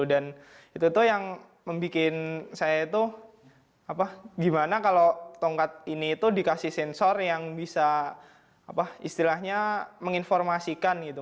dan itu tuh yang membuat saya itu gimana kalau tongkat ini itu dikasih sensor yang bisa istilahnya menginformasikan gitu